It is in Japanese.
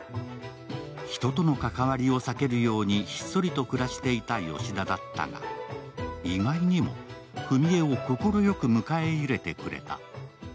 人との関わりを避けるようにひっそりと暮らしていたヨシダだったが意外にも史絵を快く迎えてくれた。